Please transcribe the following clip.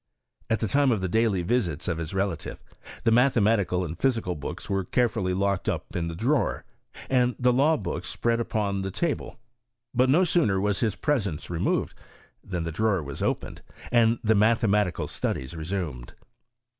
At the time of the daily visits of his relative, the mathe matical and physical books were carefully locked up in the drawer, and the law books spread upon the table ; but no sooner was his presence removed, thaa the drawer was opened, and the mathematical stages resumed.